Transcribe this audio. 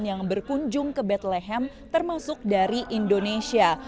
yang berkunjung ke betleham termasuk dari indonesia